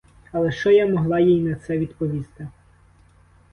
Але що я могла їй на це відповісти?